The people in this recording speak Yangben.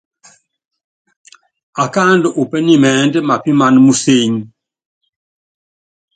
Akáándɔ u pɛ́nimɛ́nd mapiman museny.